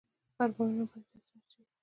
ارمانونه باید ترسره شي